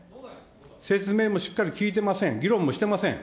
説明もしっかり聞いてません、議論もしてません。